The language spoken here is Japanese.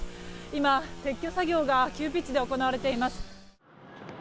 今、撤去作業が急ピッチで行われています。